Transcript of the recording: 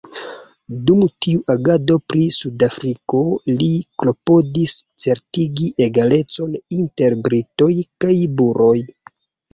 Dum tiu agado pri Sudafriko, li klopodis certigi egalecon inter Britoj kaj Buroj.